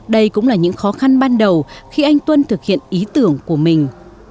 đây cũng là những khó khăn ban đầu khi anh tuân thực hiện ý tưởng của mình